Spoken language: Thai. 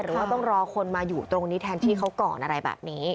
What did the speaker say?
หรือว่าต้องรอคนมาอยู่ตรงนี้แทนที่เขาก่อนอะไรแบบนี้